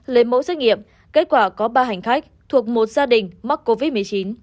lấy mẫu xét nghiệm kết quả có ba hành khách thuộc một gia đình mắc covid một mươi chín